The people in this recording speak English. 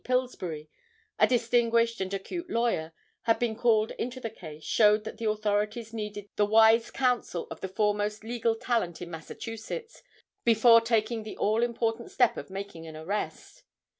Pillsbury, a distinguished and acute lawyer, had been called into the case, showed that the authorities needed the wise counsel of the foremost legal talent in Massachusetts, before taking the all important step of making an arrest.